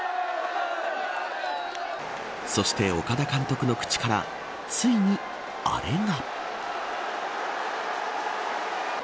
そして岡田監督の口からついにアレが。